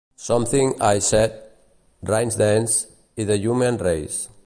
"Something I Said", "Raindance" i "The Human Race".